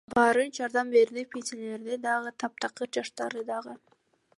Баары жардам берди — пенсионерлери дагы, таптакыр жаштары дагы.